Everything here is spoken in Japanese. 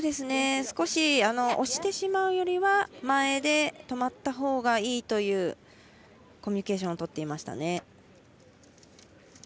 少し押してしまうよりは前で、止まったほうがいいというコミュニケーションを取っていました。